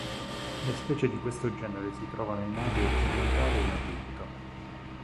Le specie di questo genere si trovano in Asia occidentale e in Egitto.